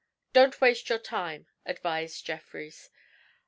'Don't waste your time,' advised Jeffrys.